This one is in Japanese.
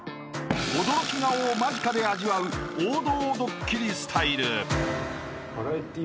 ［驚き顔を間近で味わう王道どっきりスタイル］